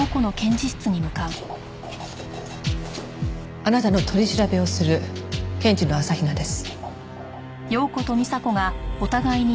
あなたの取り調べをする検事の朝日奈です。